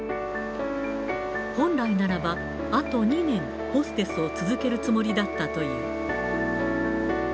本来ならば、あと２年、ホステスを続けるつもりだったという。